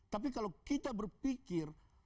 tapi kalau kita berpikir